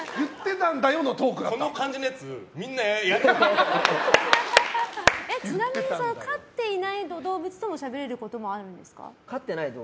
この感じのやつちなみに飼っていない動物ともしゃべることもあるんですか？